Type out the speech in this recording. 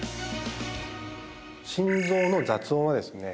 心臓の雑音はですね